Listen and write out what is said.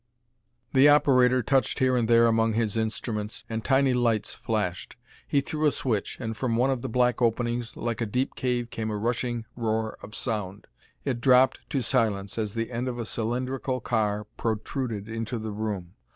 The operator touched here and there among his instruments, and tiny lights flashed; he threw a switch, and from one of the black openings like a deep cave came a rushing roar of sound. It dropped to silence as the end of a cylindrical car protruded into the room.